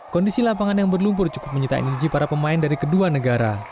kondisi lapangan yang berlumpur cukup menyita energi para pemain dari kedua negara